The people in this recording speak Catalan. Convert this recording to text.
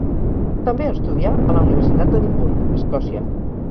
També estudià a la Universitat d'Edimburg, Escòcia.